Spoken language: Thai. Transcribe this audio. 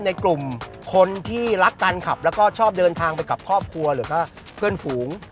ในกลุ่มคนที่รักการขับแล้วก็ชอบเดินทางไปกับครอบครัวหรือก็เพื่อนฝูง